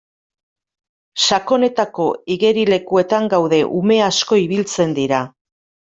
Sakonetako igerilekuetan gaude ume asko ibiltzen dira.